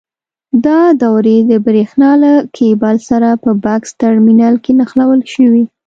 دا دورې د برېښنا له کېبل سره په بکس ټرمینل کې نښلول شوي.